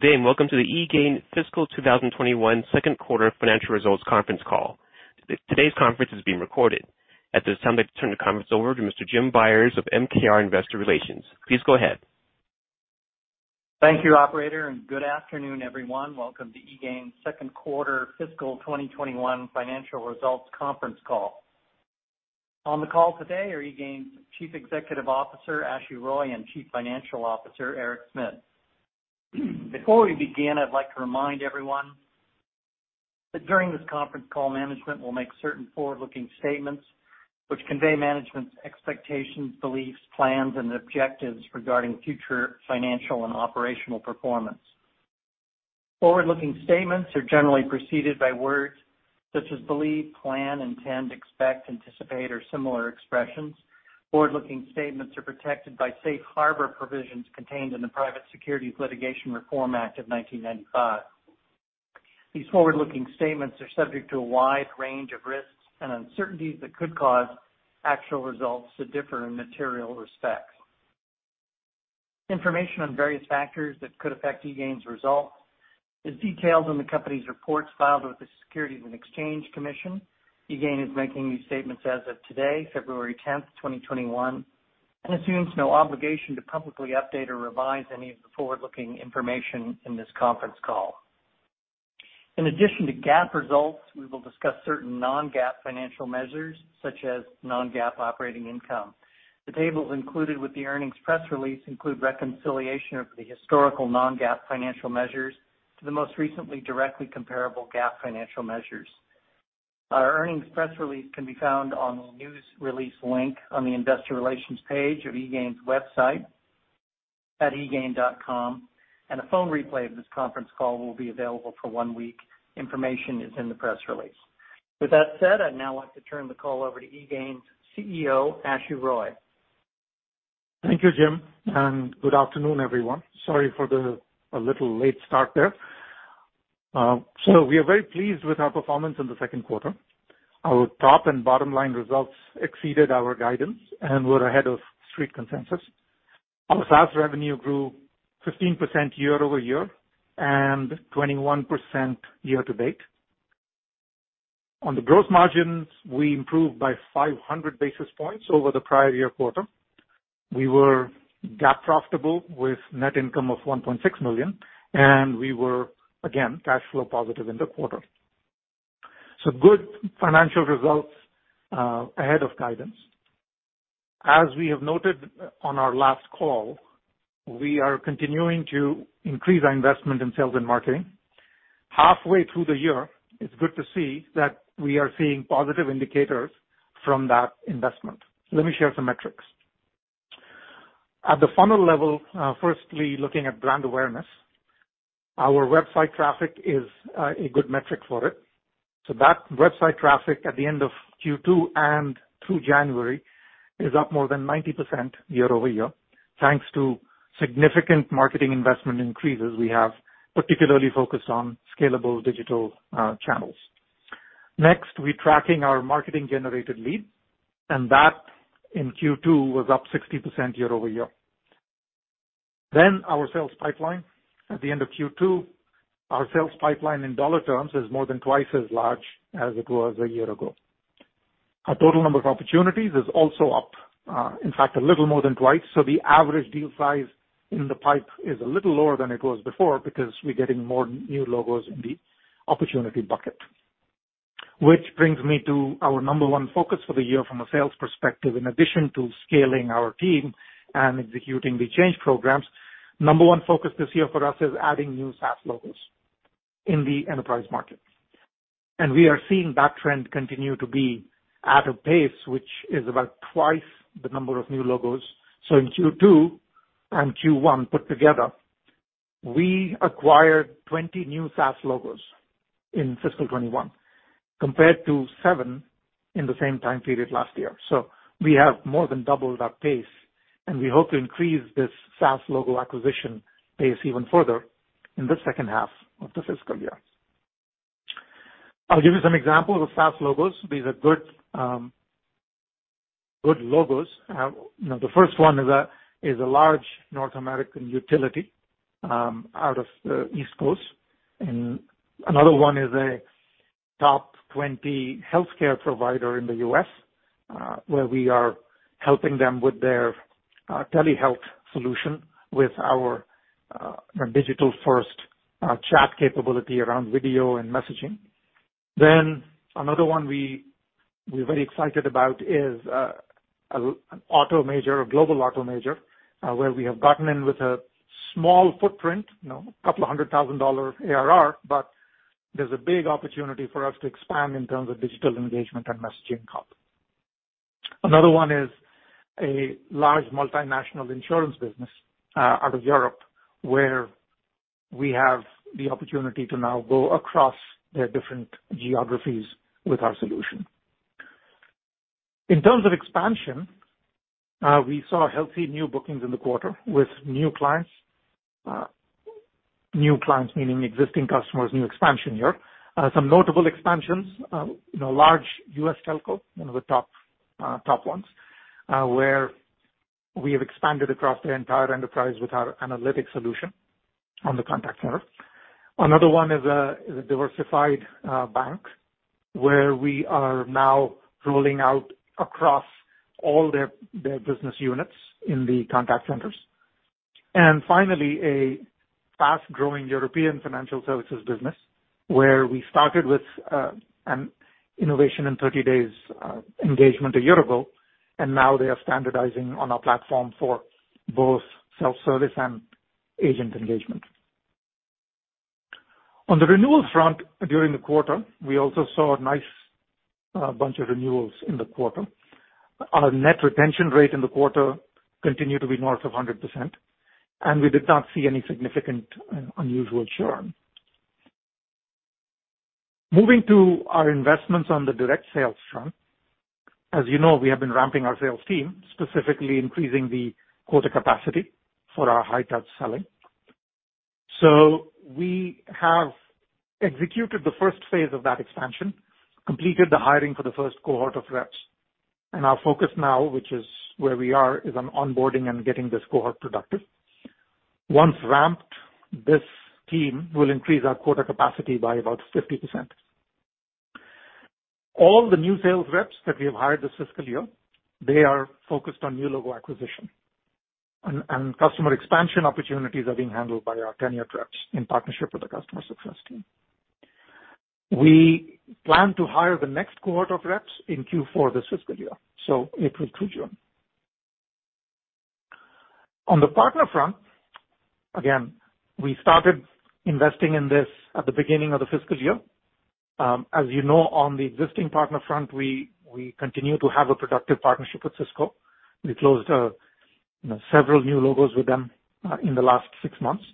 Good day. Welcome to the eGain fiscal 2021 second quarter financial results conference call. Today's conference is being recorded. At this time, I'd like to turn the conference over to Mr. Jim Byers of MKR Investor Relations. Please go ahead. Thank you, operator, and good afternoon, everyone. Welcome to eGain's second quarter fiscal 2021 financial results conference call. On the call today are eGain's Chief Executive Officer, Ashu Roy, and Chief Financial Officer, Eric Smit. Before we begin, I'd like to remind everyone that during this conference call, management will make certain forward-looking statements which convey management's expectations, beliefs, plans, and objectives regarding future financial and operational performance. Forward-looking statements are generally preceded by words such as believe, plan, intend, expect, anticipate, or similar expressions. Forward-looking statements are protected by safe harbor provisions contained in the Private Securities Litigation Reform Act of 1995. These forward-looking statements are subject to a wide range of risks and uncertainties that could cause actual results to differ in material respects. Information on various factors that could affect eGain's results is detailed in the company's reports filed with the Securities and Exchange Commission. EGain is making these statements as of today, February 10th, 2021, and assumes no obligation to publicly update or revise any of the forward-looking information in this conference call. In addition to GAAP results, we will discuss certain non-GAAP financial measures, such as non-GAAP operating income. The tables included with the earnings press release include reconciliation of the historical non-GAAP financial measures to the most recently directly comparable GAAP financial measures. Our earnings press release can be found on the news release link on the investor relations page of eGain's website at egain.com, and a phone replay of this conference call will be available for one week. Information is in the press release. With that said, I'd now like to turn the call over to eGain's CEO, Ashu Roy. Thank you, Jim, and good afternoon, everyone. Sorry for the little late start there. We are very pleased with our performance in the second quarter. Our top and bottom line results exceeded our guidance and were ahead of street consensus. Our SaaS revenue grew 15% year-over-year and 21% year-to-date. On the gross margins, we improved by 500 basis points over the prior year quarter. We were GAAP profitable with net income of $1.6 million, and we were again cash flow positive in the quarter. Good financial results, ahead of guidance. As we have noted on our last call, we are continuing to increase our investment in sales and marketing. Halfway through the year, it's good to see that we are seeing positive indicators from that investment. Let me share some metrics. At the funnel level, looking at brand awareness, our website traffic is a good metric for it. That website traffic at the end of Q2 and through January is up more than 90% year-over-year, thanks to significant marketing investment increases we have particularly focused on scalable digital channels. We're tracking our marketing-generated leads, and that in Q2 was up 60% year-over-year. Our sales pipeline. At the end of Q2, our sales pipeline in dollar terms is more than twice as large as it was a year ago. Our total number of opportunities is also up, in fact, a little more than twice. The average deal size in the pipe is a little lower than it was before because we're getting more new logos in the opportunity bucket. Which brings me to our number one focus for the year from a sales perspective. In addition to scaling our team and executing the change programs, number one focus this year for us is adding new SaaS logos in the enterprise market. We are seeing that trend continue to be at a pace which is about two times the number of new logos. In Q2 and Q1 put together, we acquired 20 new SaaS logos in fiscal 2021, compared to seven in the same time period last year. We have more than doubled our pace, and we hope to increase this SaaS logo acquisition pace even further in the second half of the fiscal year. I'll give you some examples of SaaS logos. These are good logos. The first one is a large North American utility, out of the East Coast, and another one is a top 20 healthcare provider in the U.S., where we are helping them with their telehealth solution with our digital first chat capability around video and messaging. Another one we're very excited about is an auto major, a global auto major, where we have gotten in with a small footprint, a couple of hundred thousand dollar ARR, but there's a big opportunity for us to expand in terms of digital engagement and messaging hub. Another one is a large multinational insurance business out of Europe, where we have the opportunity to now go across their different geographies with our solution. In terms of expansion, we saw healthy new bookings in the quarter with new clients. New clients meaning existing customers, new expansion here. Some notable expansions, large U.S. telco, one of the top ones, where we have expanded across their entire enterprise with our analytics solution on the contact center. Another one is a diversified bank where we are now rolling out across all their business units in the contact centers. Finally, a fast-growing European financial services business where we started with an Innovation in 30 Days engagement a year ago, and now they are standardizing on our platform for both self-service and agent engagement. On the renewal front, during the quarter, we also saw a nice bunch of renewals in the quarter. Our net retention rate in the quarter continued to be north of 100%, and we did not see any significant unusual churn. Moving to our investments on the direct sales front. As you know, we have been ramping our sales team, specifically increasing the quota capacity for our high-touch selling. We have executed the first phase of that expansion, completed the hiring for the first cohort of reps. Our focus now, which is where we are, is on onboarding and getting this cohort productive. Once ramped, this team will increase our quota capacity by about 50%. All the new sales reps that we have hired this fiscal year, they are focused on new logo acquisition. Customer expansion opportunities are being handled by our tenured reps in partnership with the customer success team. We plan to hire the next cohort of reps in Q4 this fiscal year, so April through June. On the partner front, again, we started investing in this at the beginning of the fiscal year. As you know, on the existing partner front, we continue to have a productive partnership with Cisco. We closed several new logos with them in the last six months.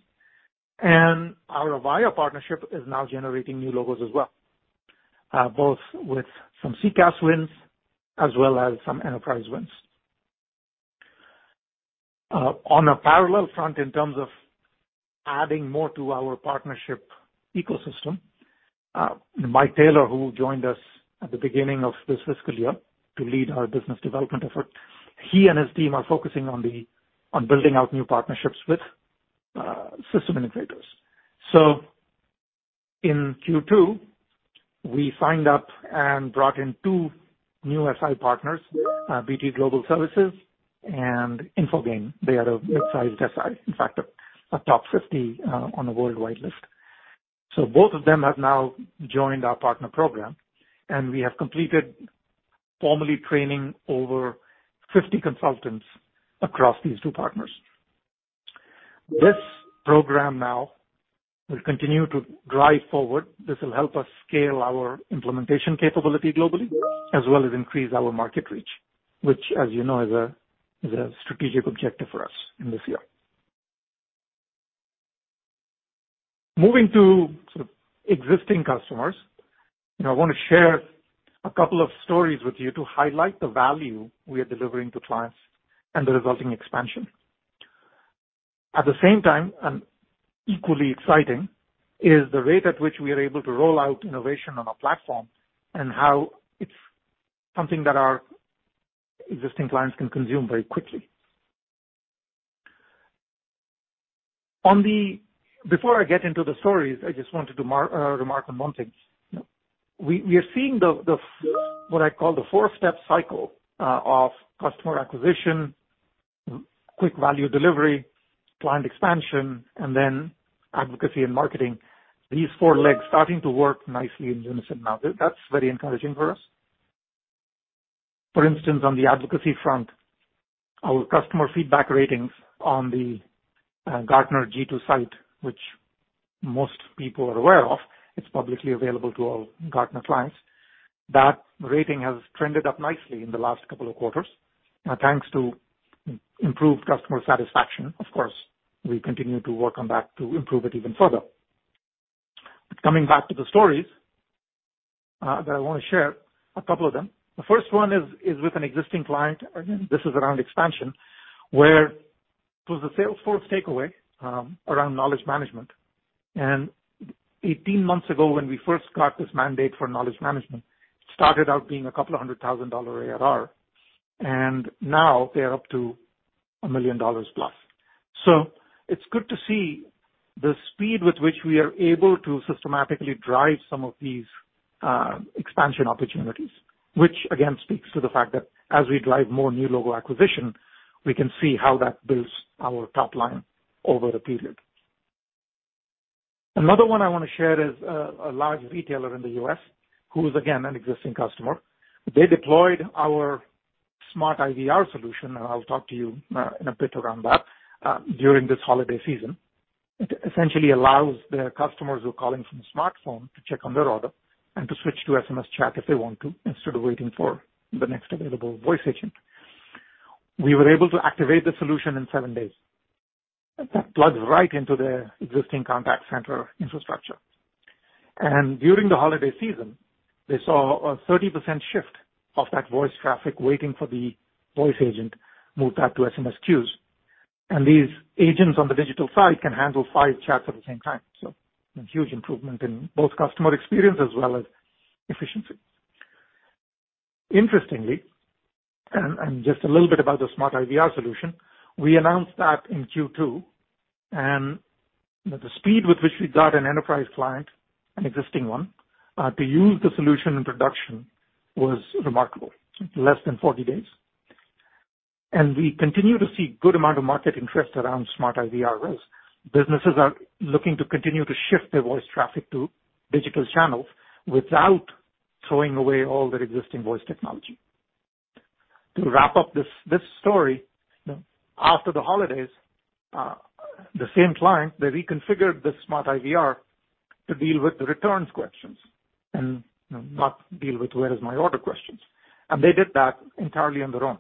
Our Avaya partnership is now generating new logos as well, both with some CCaaS wins as well as some enterprise wins. On a parallel front, in terms of adding more to our partnership ecosystem, Mike Taylor, who joined us at the beginning of this fiscal year to lead our business development effort, he and his team are focusing on building out new partnerships with system integrators. In Q2, we signed up and brought in two new SI partners, BT Global Services and Infogain. They are a mid-sized SI, in fact, a top 50 on a worldwide list. Both of them have now joined our partner program, and we have completed formally training over 50 consultants across these two partners. This program now will continue to drive forward. This will help us scale our implementation capability globally, as well as increase our market reach, which, as you know, is a strategic objective for us in this year. Moving to existing customers. I want to share a couple of stories with you to highlight the value we are delivering to clients and the resulting expansion. At the same time, and equally exciting, is the rate at which we are able to roll out innovation on our platform and how it's something that our existing clients can consume very quickly. Before I get into the stories, I just wanted to remark on one thing. We are seeing the what I call the four-step cycle of customer acquisition, quick value delivery, client expansion, and then advocacy and marketing. These four legs starting to work nicely in unison now. That's very encouraging for us. For instance, on the advocacy front, our customer feedback ratings on the Gartner G2 site, which most people are aware of, it's publicly available to all Gartner clients. That rating has trended up nicely in the last couple of quarters, thanks to improved customer satisfaction. Of course, we continue to work on that to improve it even further. Coming back to the stories that I want to share, a couple of them. The first one is with an existing client. Again, this is around expansion, where it was a Salesforce takeaway around knowledge management. 18 months ago, when we first got this mandate for knowledge management, it started out being a couple of hundred thousand dollar ARR, and now they are up to $1 million plus. It's good to see the speed with which we are able to systematically drive some of these expansion opportunities, which, again, speaks to the fact that as we drive more new logo acquisition, we can see how that builds our top line over a period. Another one I want to share is a large retailer in the U.S. who is, again, an existing customer. They deployed our SmartIVR solution, and I'll talk to you in a bit around that, during this holiday season. It essentially allows their customers who are calling from a smartphone to check on their order and to switch to SMS chat if they want to, instead of waiting for the next available voice agent. We were able to activate the solution in seven days. That plugs right into their existing contact center infrastructure. During the holiday season, they saw a 30% shift of that voice traffic waiting for the voice agent moved out to SMS queues. These agents on the digital side can handle five chats at the same time. A huge improvement in both customer experience as well as efficiency. Interestingly, just a little bit about the SmartIVR solution, we announced that in Q2, and the speed with which we got an enterprise client, an existing one, to use the solution in production was remarkable, less than 40 days. We continue to see good amount of market interest around SmartIVR. Businesses are looking to continue to shift their voice traffic to digital channels without throwing away all their existing voice technology. To wrap up this story, after the holidays, the same client, they reconfigured the SmartIVR to deal with the returns questions and not deal with where is my order questions. They did that entirely on their own.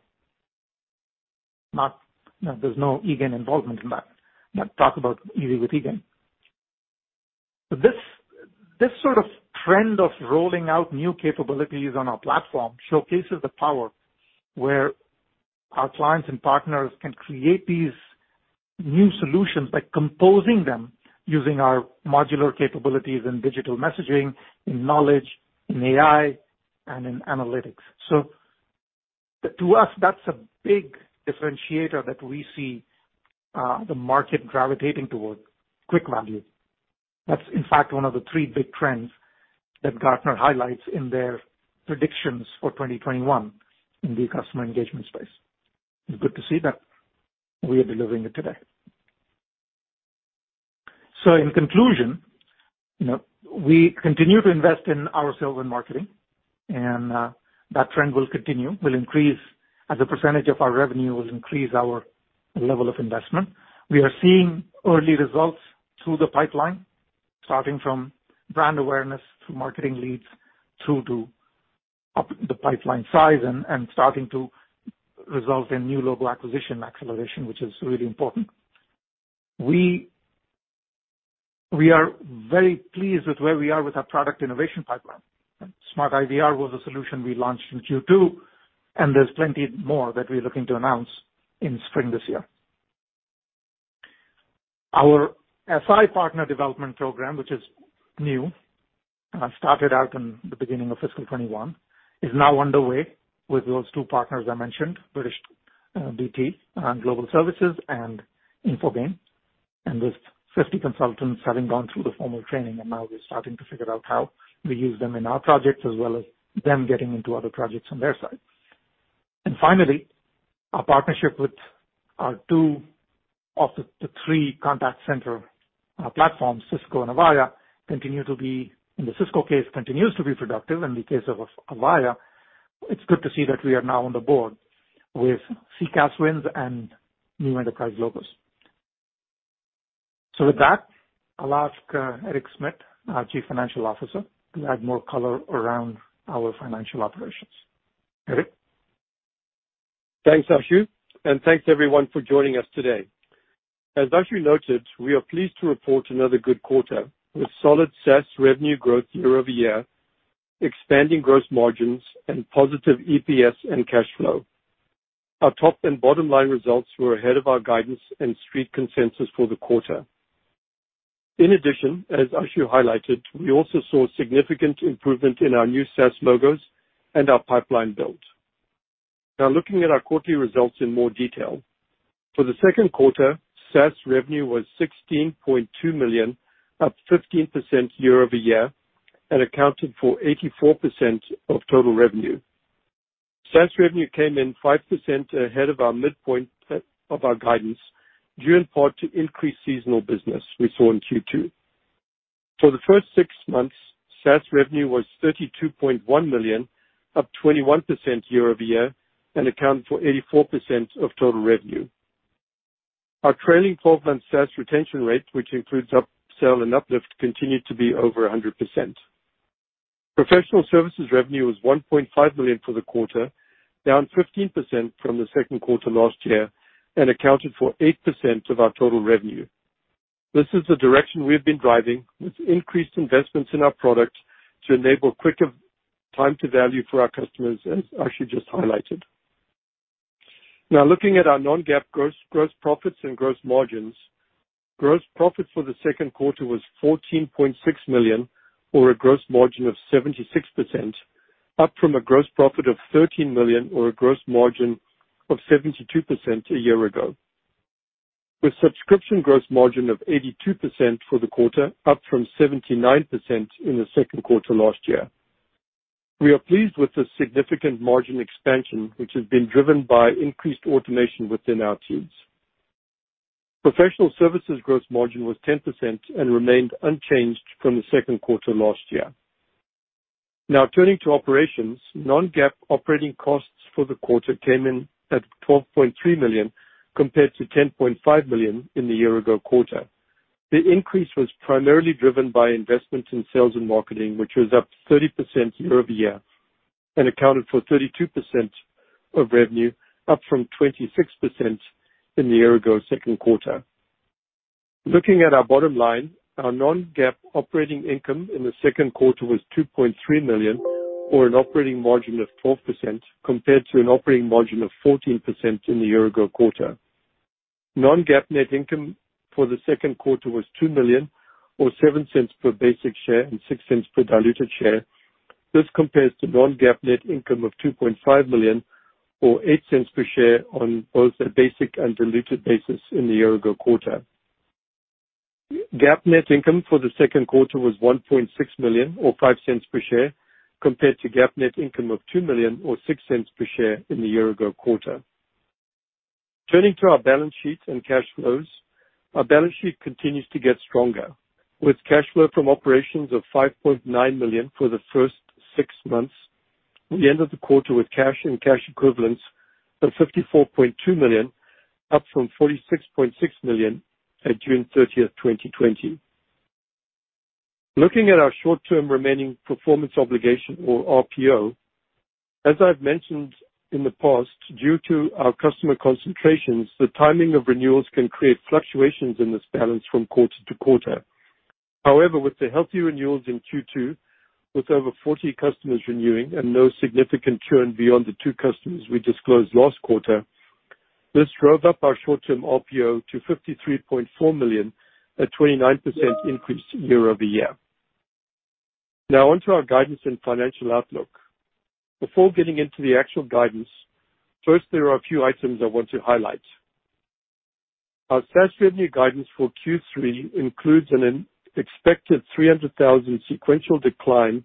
There's no eGain involvement in that. Talk about easy with eGain. This sort of trend of rolling out new capabilities on our platform showcases the power where our clients and partners can create these new solutions by composing them using our modular capabilities in digital messaging, in knowledge, in AI, and in analytics. To us, that's a big differentiator that we see the market gravitating toward quick value. That's in fact one of the three big trends that Gartner highlights in their predictions for 2021 in the customer engagement space. It's good to see that we are delivering it today. In conclusion, we continue to invest in our sales and marketing, and that trend will continue. We'll increase as a percentage of our revenue, we'll increase our level of investment. We are seeing early results through the pipeline, starting from brand awareness to marketing leads, through to up the pipeline size and starting to result in new logo acquisition acceleration, which is really important. We are very pleased with where we are with our product innovation pipeline. eGain SmartIVR was a solution we launched in Q2, and there's plenty more that we're looking to announce in spring this year. Our SI partner development program, which is new, started out in the beginning of fiscal 2021, is now underway with those two partners I mentioned, BT Global Services and Infogain, with 50 consultants having gone through the formal training and now we're starting to figure out how we use them in our projects as well as them getting into other projects on their side. Finally, our partnership with our two of the three contact center platforms, Cisco and Avaya, continue to be, in the Cisco case, continues to be productive. In the case of Avaya, it's good to see that we are now on the board with CCaaS wins and new enterprise logos. With that, I'll ask Eric Smit, our Chief Financial Officer, to add more color around our financial operations. Eric? Thanks, Ashu, and thanks everyone for joining us today. As Ashu noted, we are pleased to report another good quarter with solid SaaS revenue growth year-over-year, expanding gross margins, and positive EPS and cash flow. Our top and bottom line results were ahead of our guidance and Street consensus for the quarter. In addition, as Ashu highlighted, we also saw significant improvement in our new SaaS logos and our pipeline build. Now looking at our quarterly results in more detail. For the second quarter, SaaS revenue was $16.2 million, up 15% year-over-year, and accounted for 84% of total revenue. SaaS revenue came in 5% ahead of our midpoint of our guidance, due in part to increased seasonal business we saw in Q2. For the first six months, SaaS revenue was $32.1 million, up 21% year-over-year, and accounted for 84% of total revenue. Our trailing 12-month SaaS retention rate, which includes upsell and uplift, continued to be over 100%. Professional services revenue was $1.5 million for the quarter, down 15% from the second quarter last year, and accounted 8% of our total revenue. This is the direction we have been driving with increased investments in our product to enable quicker time to value for our customers, as Ashu just highlighted. Now looking at our non-GAAP gross profits and gross margins. Gross profit for the second quarter was $14.6 million, or a gross margin of 76%, up from a gross profit of $13 million or a gross margin of 72% a year ago. With subscription gross margin of 82% for the quarter, up from 79% in the second quarter last year. We are pleased with this significant margin expansion, which has been driven by increased automation within our teams. Professional services gross margin was 10% and remained unchanged from the second quarter last year. Now turning to operations. Non-GAAP operating costs for the quarter came in at $12.3 million, compared to $10.5 million in the year-ago quarter. The increase was primarily driven by investment in sales and marketing, which was up 30% year-over-year and accounted for 32% of revenue, up from 26% in the year-ago second quarter. Looking at our bottom line, our non-GAAP operating income in the second quarter was $2.3 million, or an operating margin of 12%, compared to an operating margin of 14% in the year-ago quarter. Non-GAAP net income for the second quarter was $2 million, or $0.07 per basic share and $0.06 per diluted share. This compares to non-GAAP net income of $2.5 million, or $0.08 per share on both a basic and diluted basis in the year-ago quarter. GAAP net income for the second quarter was $1.6 million, or $0.05 per share, compared to GAAP net income of $2 million or $0.06 per share in the year ago quarter. Turning to our balance sheet and cash flows. Our balance sheet continues to get stronger, with cash flow from operations of $5.9 million for the first six months. We end of the quarter with cash and cash equivalents of $54.2 million, up from $46.6 million at June 30th, 2020. Looking at our short-term remaining performance obligation or RPO. As I've mentioned in the past, due to our customer concentrations, the timing of renewals can create fluctuations in this balance from quarter to quarter. However, with the healthy renewals in Q2, with over 40 customers renewing and no significant churn beyond the two customers we disclosed last quarter, this drove up our short-term RPO to $53.4 million, a 29% increase year-over-year. Now on to our guidance and financial outlook. Before getting into the actual guidance, first, there are a few items I want to highlight. Our SaaS revenue guidance for Q3 includes an expected $300,000 sequential decline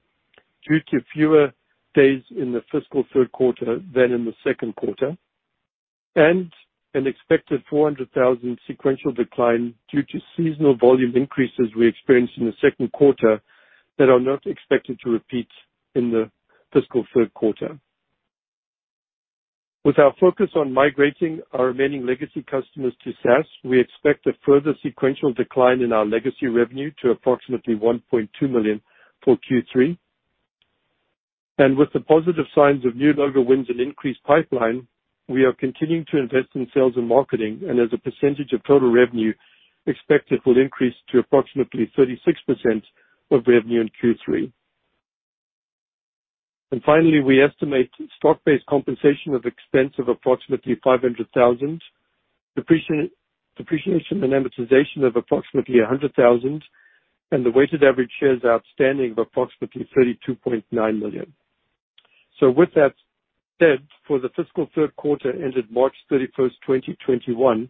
due to fewer days in the fiscal third quarter than in the second quarter, and an expected $400,000 sequential decline due to seasonal volume increases we experienced in the second quarter that are not expected to repeat in the fiscal third quarter. With our focus on migrating our remaining legacy customers to SaaS, we expect a further sequential decline in our legacy revenue to approximately $1.2 million for Q3. With the positive signs of new logo wins and increased pipeline, we are continuing to invest in sales and marketing, and as a percentage of total revenue expected will increase to approximately 36% of revenue in Q3. Finally, we estimate stock-based compensation of expense of approximately $500,000, depreciation and amortization of approximately $100,000, and the weighted average shares outstanding of approximately 32.9 million. With that said, for the fiscal third quarter ended March 31, 2021,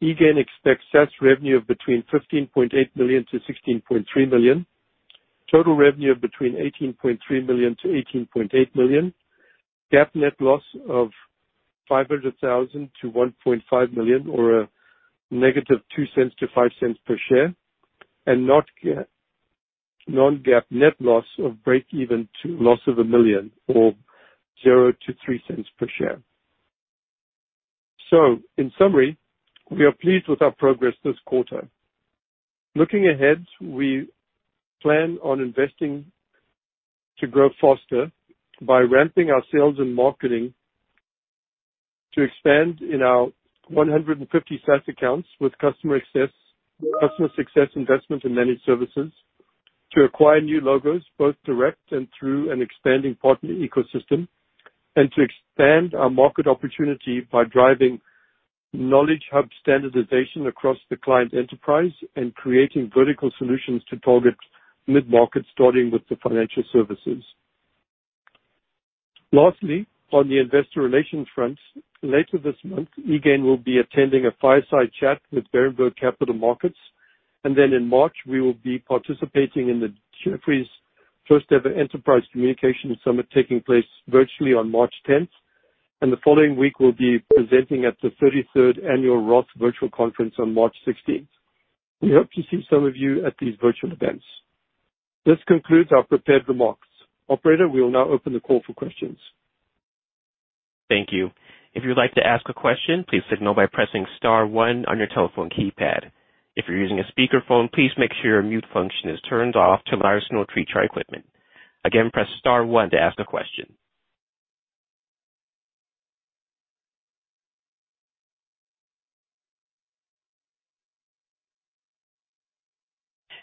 eGain expects SaaS revenue of between $15.8 million-$16.3 million, total revenue of between $18.3 million-$18.8 million, GAAP net loss of $500,000-$1.5 million or -$0.02 to -$0.05 per share, and non-GAAP net loss of break even to loss of $1 million or $0-$0.03 per share. In summary, we are pleased with our progress this quarter. Looking ahead, we plan on investing to grow faster by ramping our sales and marketing to expand in our 150 SaaS accounts with customer success investments in managed services. To acquire new logos, both direct and through an expanding partner ecosystem, and to expand our market opportunity by driving knowledge hub standardization across the client enterprise and creating vertical solutions to target mid-market, starting with the financial services. Lastly, on the investor relations front, later this month, eGain will be attending a fireside chat with Berenberg Capital Markets. Then in March, we will be participating in the Jefferies first ever Enterprise Communications Summit taking place virtually on March 10. The following week, we'll be presenting at the 33rd Annual Roth Virtual Conference on March 16. We hope to see some of you at these virtual events. This concludes our prepared remarks. Operator, we will now open the call for questions. Thank you. If you'd like to ask a question, please signal by pressing star one on your telephone keypad. If you're using a speakerphone, please make sure your mute function is turned off to minimize noise from your equipment. Again, press star one to ask a question.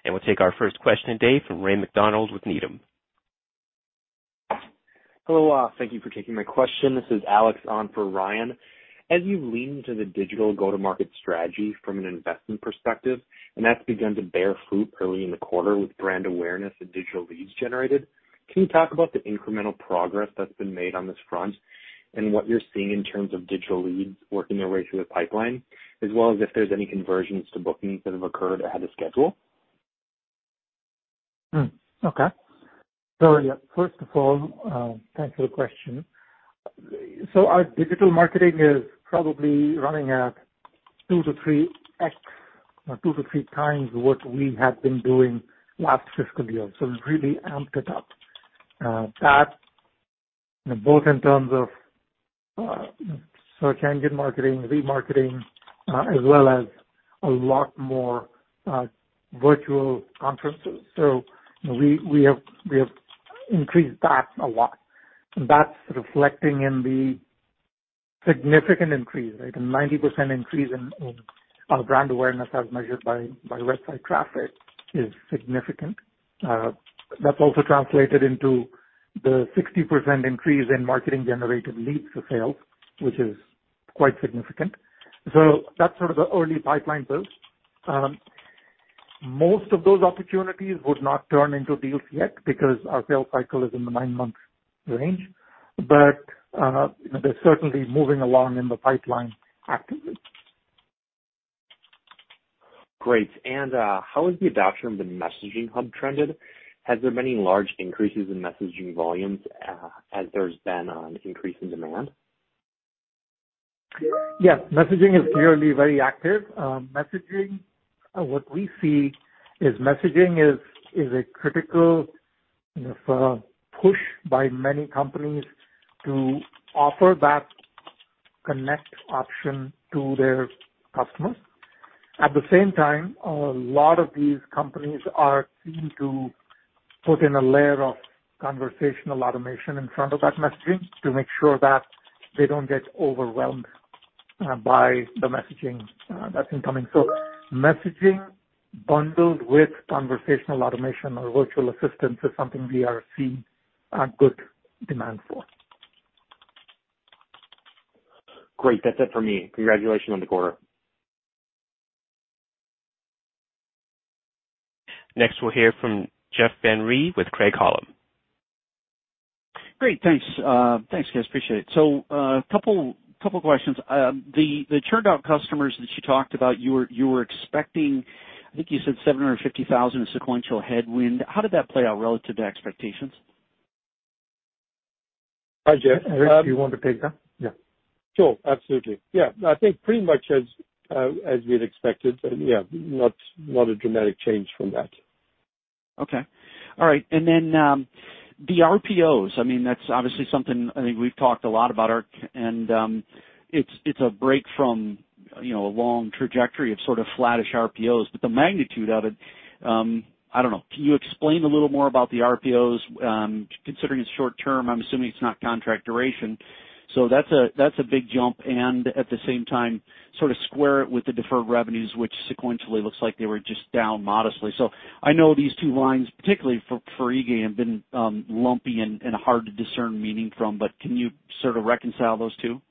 And we'll take our first question today from Ryan McDonald with Needham. Hello. Thank you for taking my question. This is Alex on for Ryan. As you lean to the digital go-to-market strategy from an investment perspective, and that's begun to bear fruit early in the quarter with brand awareness and digital leads generated, can you talk about the incremental progress that's been made on this front and what you're seeing in terms of digital leads working their way through the pipeline, as well as if there's any conversions to bookings that have occurred ahead of schedule? Okay. First of all, thanks for the question. Our digital marketing is probably running at 2x-3x or two to three times what we have been doing last fiscal year. We've really amped it up, both in terms of search engine marketing, remarketing, as well as a lot more virtual conferences. We have increased that a lot. That's reflecting in the significant increase, like a 90% increase in our brand awareness as measured by website traffic is significant. That's also translated into The 60% increase in marketing-generated leads to sales, which is quite significant. That's sort of the early pipeline build. Most of those opportunities would not turn into deals yet because our sales cycle is in the nine-month range. They're certainly moving along in the pipeline actively. Great. How has the adoption of the messaging hub trended? Has there been any large increases in messaging volumes as there's been an increase in demand? Yes. Messaging is clearly very active. What we see is messaging is a critical push by many companies to offer that connect option to their customers. At the same time, a lot of these companies are keen to put in a layer of conversational automation in front of that messaging to make sure that they don't get overwhelmed by the messaging that's incoming. Messaging bundled with conversational automation or virtual assistance is something we are seeing a good demand for. Great. That's it for me. Congratulations on the quarter. Next, we'll hear from Jeff Van Rhee with Craig-Hallum. Great. Thanks. Thanks, guys, appreciate it. A couple of questions. The churned out customers that you talked about, you were expecting, I think you said 750,000 sequential headwind. How did that play out relative to expectations? Hi, Jeff. Eric, do you want to take that? Yeah. Sure, absolutely. Yeah, I think pretty much as we had expected. Yeah, not a dramatic change from that. Okay. All right. The RPOs, I mean, that's obviously something I think we've talked a lot about, Eric, it's a break from a long trajectory of sort of flattish RPOs. The magnitude of it, I don't know. Can you explain a little more about the RPOs? Considering it's short-term, I'm assuming it's not contract duration. That's a big jump, at the same time, sort of square it with the deferred revenues, which sequentially looks like they were just down modestly. I know these two lines, particularly for eGain, have been lumpy and hard to discern meaning from, can you sort of reconcile those two?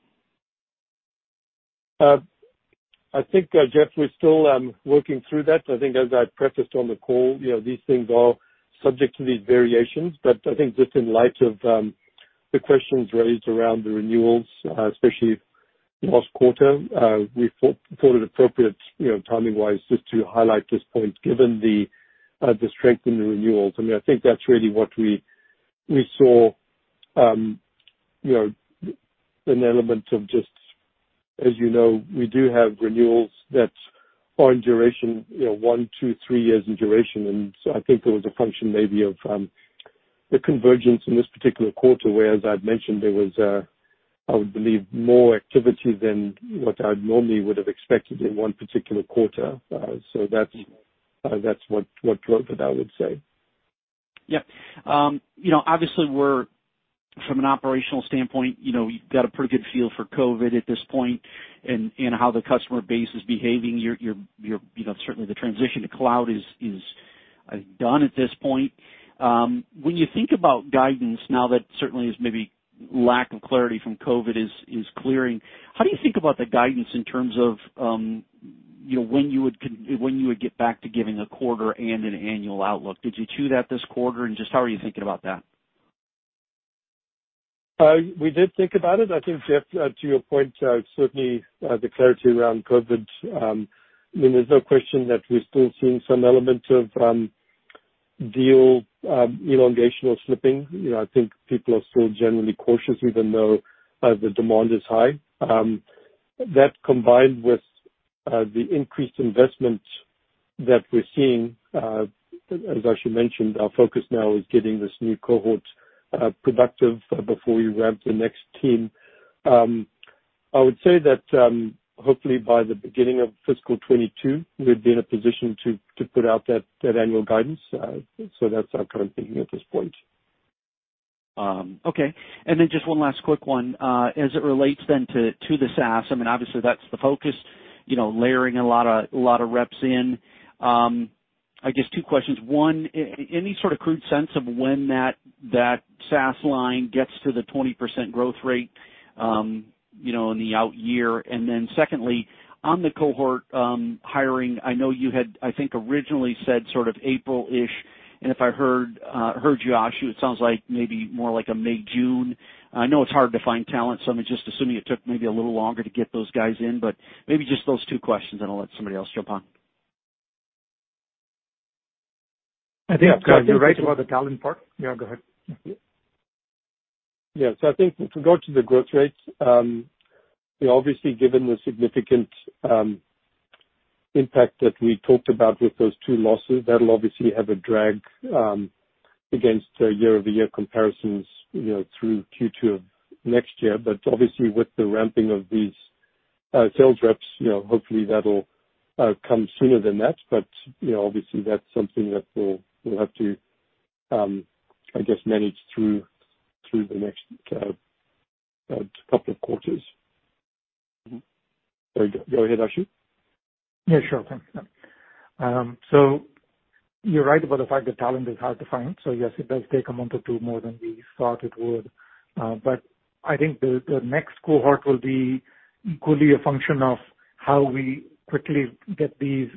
I think, Jeff, we're still working through that. I think as I prefaced on the call, these things are subject to these variations. I think just in light of the questions raised around the renewals, especially last quarter, we thought it appropriate timing-wise just to highlight this point, given the strength in the renewals. I mean, I think that's really what we saw an element of just, as you know, we do have renewals that are in duration one, two, three years in duration. I think there was a function maybe of the convergence in this particular quarter, where, as I've mentioned, there was, I would believe, more activity than what I normally would have expected in one particular quarter. That's what drove it, I would say. Yeah. Obviously, from an operational standpoint, you've got a pretty good feel for COVID at this point and how the customer base is behaving. Certainly, the transition to cloud is done at this point. When you think about guidance now that certainly is maybe lack of clarity from COVID is clearing, how do you think about the guidance in terms of when you would get back to giving a quarter and an annual outlook? Did you issue that this quarter? Just how are you thinking about that? We did think about it. I think, Jeff, to your point, certainly the clarity around COVID, I mean, there's no question that we're still seeing some element of deal elongation or slipping. I think people are still generally cautious, even though the demand is high. That, combined with the increased investment that we're seeing, as Ashu mentioned, our focus now is getting this new cohort productive before we ramp the next team. I would say that hopefully by the beginning of fiscal 2022, we'd be in a position to put out that annual guidance. That's our current thinking at this point. Okay. Then just one last quick one. As it relates then to the SaaS, I mean, obviously that's the focus, layering a lot of reps in. I guess two questions. One, any sort of crude sense of when that SaaS line gets to the 20% growth rate in the out year? Then secondly, on the cohort hiring, I know you had, I think, originally said sort of April-ish, and if I heard Ashu, it sounds like maybe more like a May, June. I know it's hard to find talent, I'm just assuming it took maybe a little longer to get those guys in. Maybe just those two questions, then I'll let somebody else jump on. I think- You're right about the talent part. Yeah, go ahead. Yeah. I think with regard to the growth rates, obviously given the significant impact that we talked about with those two losses, that'll obviously have a drag against year-over-year comparisons through Q2 of next year. Obviously with the ramping of these sales reps, hopefully that'll come sooner than that. Obviously, that's something that we'll have to, I guess, manage through the next couple of quarters. Very good. Go ahead, Ashu. Yeah, sure. Thanks. You're right about the fact that talent is hard to find. Yes, it does take a month or two more than we thought it would. I think the next cohort will be equally a function of how we quickly get the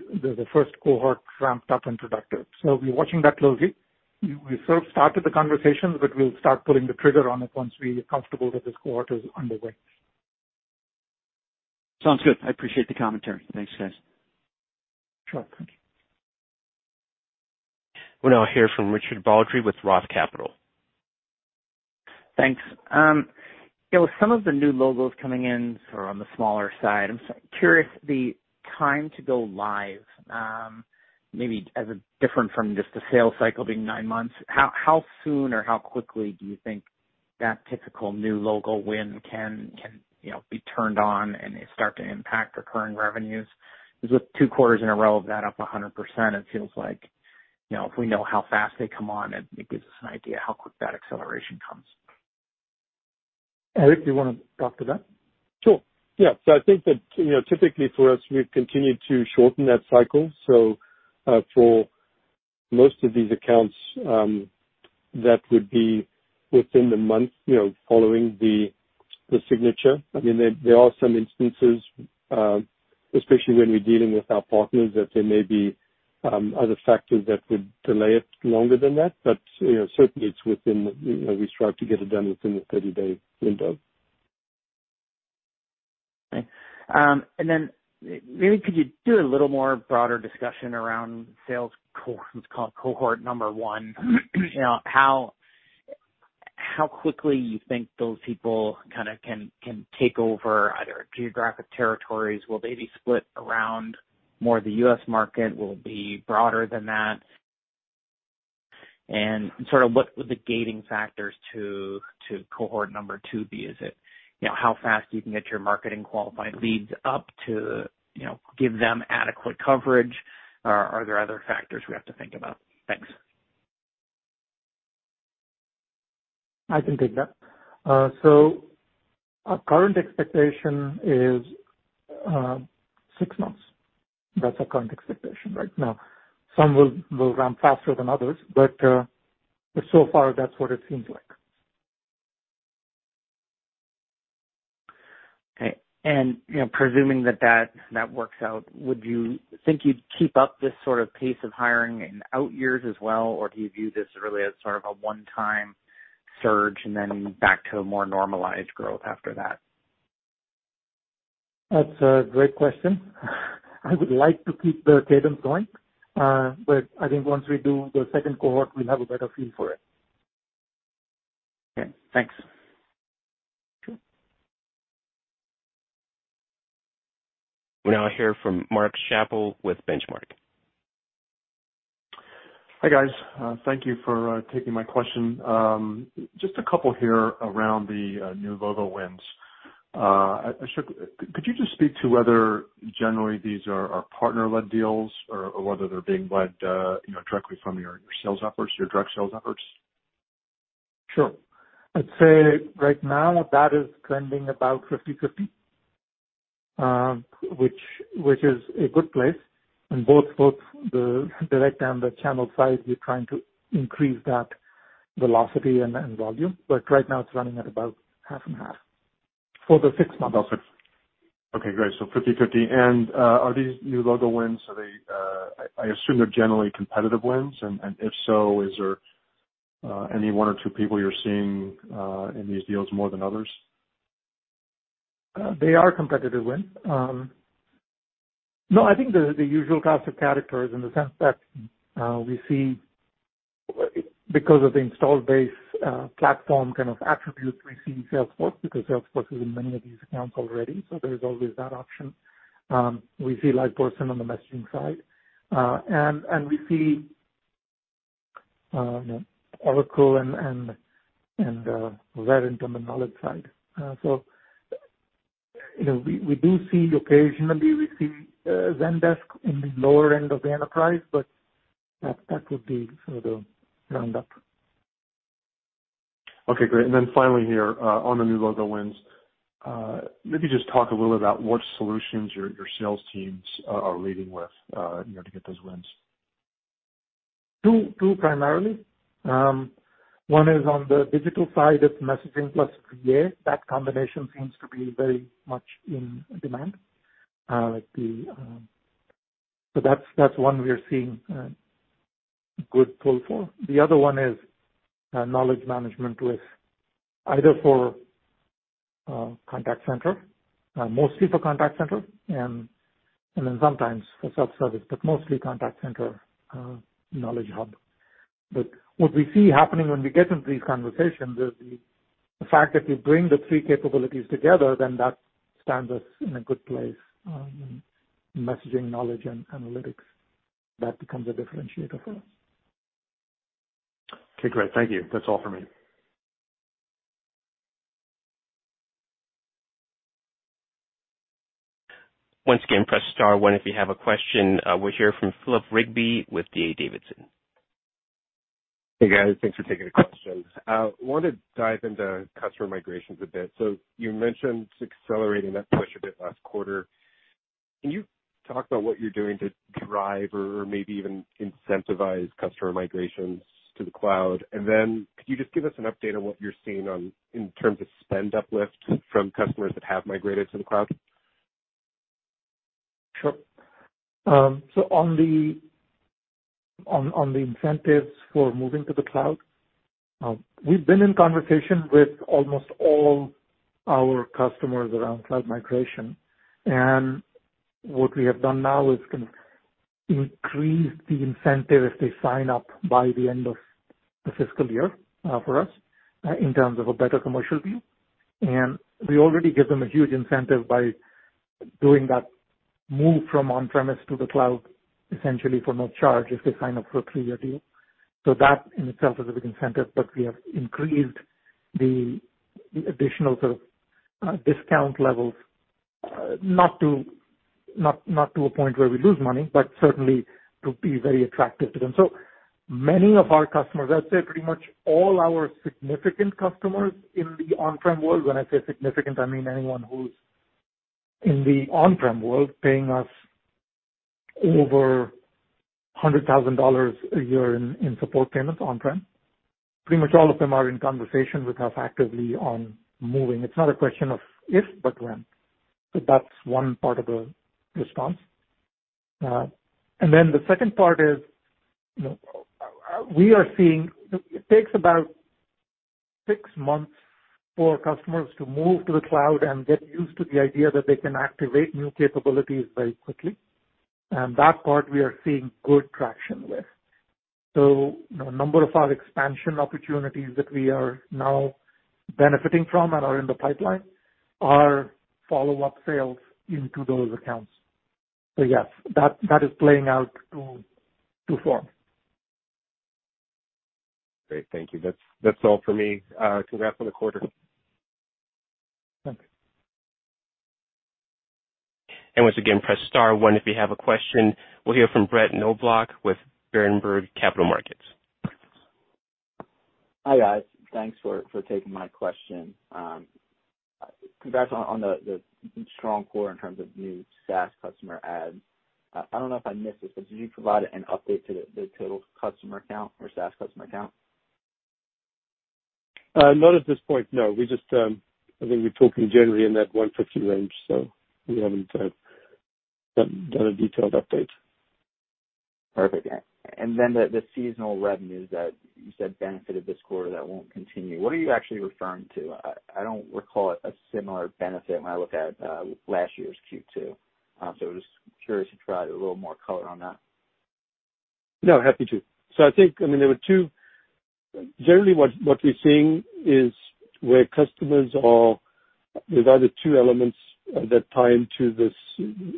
first cohort ramped up and productive. We're watching that closely. We sort of started the conversations, but we'll start pulling the trigger on it once we are comfortable that this cohort is underway. Sounds good. I appreciate the commentary. Thanks, guys. Sure. Thank you. We'll now hear from Richard Baldry with Roth Capital. Thanks. With some of the new logos coming in sort of on the smaller side, I'm curious the time to go live, maybe as different from just the sales cycle being nine months, how soon or how quickly do you think that typical new logo win can be turned on and start to impact recurring revenues? With two quarters in a row of that up 100%, it feels like, if we know how fast they come on, it gives us an idea how quick that acceleration comes. Eric, do you want to talk to that? Sure. Yeah. I think that typically for us, we've continued to shorten that cycle. For most of these accounts, that would be within the month following the signature. There are some instances, especially when we're dealing with our partners, that there may be other factors that would delay it longer than that. Certainly we strive to get it done within the 30-day window. Okay. Maybe could you do a little more broader discussion around sales cohort 1? How quickly you think those people kind of can take over either geographic territories? Will they be split around more of the U.S. market? Will it be broader than that? What would the gating factors to cohort 2 be? Is it how fast you can get your marketing qualified leads up to give them adequate coverage? Are there other factors we have to think about? Thanks. I can take that. Our current expectation is six months. That's our current expectation right now. Some will ramp faster than others, but so far, that's what it seems like. Okay. Presuming that works out, would you think you'd keep up this sort of pace of hiring in out years as well? Do you view this really as sort of a one-time surge and then back to a more normalized growth after that? That's a great question. I would like to keep the cadence going. I think once we do the second cohort, we'll have a better feel for it. Okay, thanks. Sure. We'll now hear from Mark Chappell with Benchmark. Hi, guys. Thank you for taking my question. Just a couple here around the new logo wins. Ashu, could you just speak to whether generally these are partner-led deals or whether they're being led directly from your sales efforts, your direct sales efforts? Sure. I'd say right now that is trending about 50/50, which is a good place on both the direct and the channel side. We're trying to increase that velocity and volume, but right now it's running at about half and half for the fixed model. Okay, great. 50/50. Are these new logo wins, I assume they're generally competitive wins, and if so, is there any one or two people you're seeing in these deals more than others? They are competitive wins. I think they're the usual cast of characters in the sense that because of the install base platform kind of attribute, we see Salesforce, because Salesforce is in many of these accounts already, so there's always that option. We see LivePerson on the messaging side. And we see Oracle and Verint on the knowledge side. Occasionally we see Zendesk in the lower end of the enterprise, but that would be sort of the roundup. Okay, great. Finally here, on the new logo wins, maybe just talk a little about what solutions your sales teams are leading with to get those wins? Two primarily. One is on the digital side, it's messaging plus CA. That combination seems to be very much in demand. That's one we are seeing good pull for. The other one is knowledge management with either for contact center, mostly for contact center, and then sometimes for self-service, but mostly contact center knowledge hub. What we see happening when we get into these conversations is the fact that we bring the three capabilities together, then that stands us in a good place, in messaging, knowledge, and analytics. That becomes a differentiator for us. Okay, great. Thank you. That's all for me. Once again, press star one if you have a question. We'll hear from Philip Rigby with D.A. Davidson. Hey, guys. Thanks for taking the questions. I want to dive into customer migrations a bit. You mentioned accelerating that push a bit last quarter. Can you talk about what you're doing to drive or maybe even incentivize customer migrations to the cloud? Could you just give us an update on what you're seeing in terms of spend uplift from customers that have migrated to the cloud? Sure. On the incentives for moving to the cloud, we've been in conversation with almost all our customers around cloud migration. What we have done now is increase the incentive if they sign up by the end of the fiscal year for us, in terms of a better commercial view. We already give them a huge incentive by doing that move from on-premise to the cloud, essentially for no charge, if they sign up for a three-year deal. That in itself is a big incentive, but we have increased the additional sort of discount levels, not to a point where we lose money, but certainly to be very attractive to them. Many of our customers, I'd say pretty much all our significant customers in the on-prem world, when I say significant, I mean anyone who's in the on-prem world paying us over $100,000 a year in support payments on-prem, pretty much all of them are in conversations with us actively on moving. It's not a question of if, but when. That's one part of the response. The second part is, we are seeing it takes about six months for customers to move to the cloud and get used to the idea that they can activate new capabilities very quickly. That part we are seeing good traction with. A number of our expansion opportunities that we are now benefiting from and are in the pipeline are follow-up sales into those accounts. Yes, that is playing out to form. Great. Thank you. That's all for me. Congrats on the quarter. Thank you. Once again, press star one if you have a question. We'll hear from Brett Knoblauch with Berenberg Capital Markets. Hi, guys. Thanks for taking my question. Congrats on the strong quarter in terms of new SaaS customer adds. I don't know if I missed this, but did you provide an update to the total customer count or SaaS customer count? Not at this point, no. I think we're talking generally in that 150 range, so we haven't done a detailed update. Perfect. The seasonal revenues that you said benefited this quarter that won't continue. What are you actually referring to? I don't recall a similar benefit when I look at last year's Q2. I was just curious if you could provide a little more color on that. No, happy to. There's either two elements that tie into this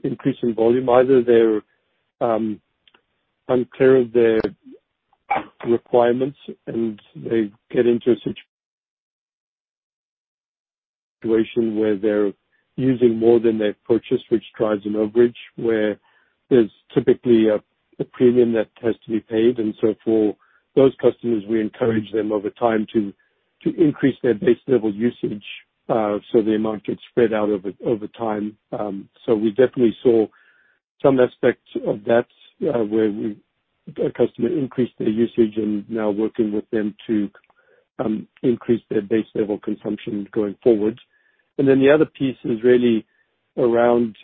increase in volume. Either they're unclear of their requirements and they get into a situation where they're using more than they've purchased, which drives an overage, where there's typically a premium that has to be paid. For those customers, we encourage them over time to increase their base level usage, so the amount gets spread out over time. We definitely saw some aspects of that, where a customer increased their usage and now working with them to increase their base level consumption going forward. The other piece is really around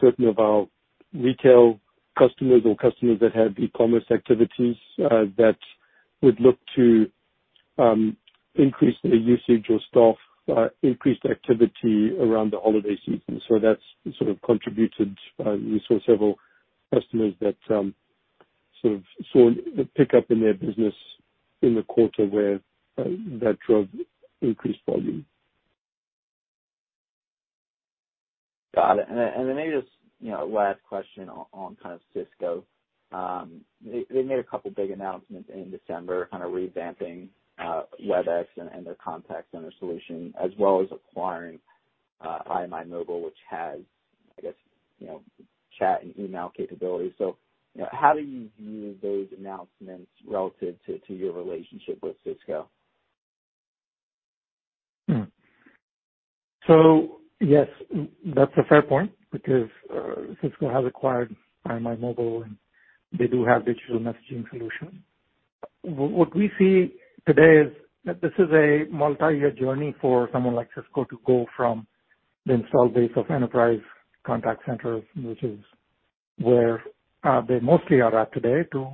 certain of our retail customers or customers that have e-commerce activities, that would look to increase their usage or staff, increase activity around the holiday season. That's sort of contributed. We saw several customers that sort of saw a pickup in their business in the quarter where that drove increased volume. Got it. Maybe just a last question on kind of Cisco. They made a couple big announcements in December kind of revamping Webex and their contact center solution, as well as acquiring IMImobile, which has, I guess, chat and email capabilities. How do you view those announcements relative to your relationship with Cisco? Yes, that's a fair point because Cisco has acquired IMImobile, and they do have digital messaging solution. What we see today is that this is a multi-year journey for someone like Cisco to go from the install base of enterprise contact centers, which is where they mostly are at today, to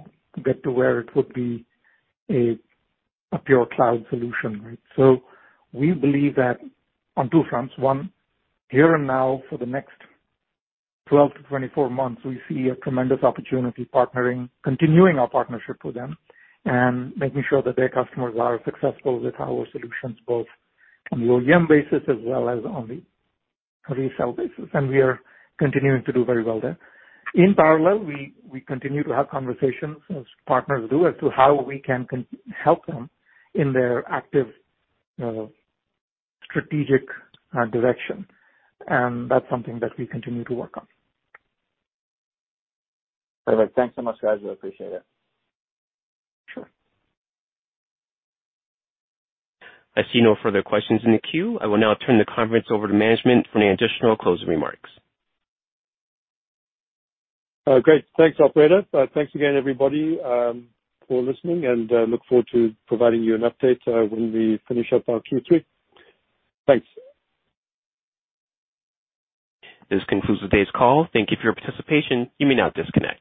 get to where it would be a pure cloud solution. We believe that on two fronts, one, here and now for the next 12-24 months, we see a tremendous opportunity continuing our partnership with them and making sure that their customers are successful with our solutions, both on the OEM basis as well as on the resale basis. We are continuing to do very well there. In parallel, we continue to have conversations, as partners do, as to how we can help them in their active strategic direction. That's something that we continue to work on. Perfect. Thanks so much, guys. I appreciate it. Sure. I see no further questions in the queue. I will now turn the conference over to management for any additional closing remarks. Great. Thanks, operator. Thanks again, everybody, for listening, and look forward to providing you an update when we finish up our Q3. Thanks. This concludes today's call. Thank you for your participation. You may now disconnect.